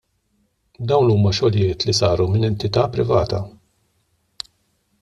Dawn huma xogħlijiet li saru minn entita' privata.